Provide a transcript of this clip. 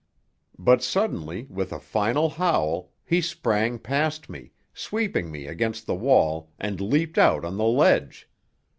But suddenly, with a final howl, he sprang past me, Sweeping me against the wall, and leaped out on the ledge.